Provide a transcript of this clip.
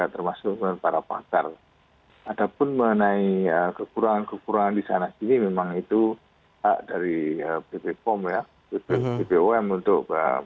terima kasih pak